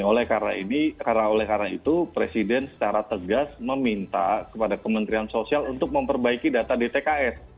oleh karena itu presiden secara tegas meminta kepada kementerian sosial untuk memperbaiki data dtks